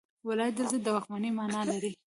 ولایت دلته د واکمنۍ معنی لري.